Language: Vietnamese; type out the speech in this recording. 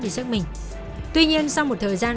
về xác minh tuy nhiên sau một thời gian